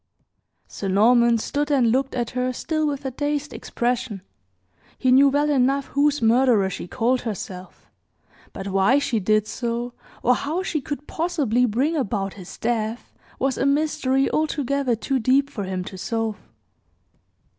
Sir Norman stood and looked at her still with a dazed expression. He knew well enough whose murderer she called herself; but why she did so, or how she could possibly bring about his death, was a mystery altogether too deep for him to solve.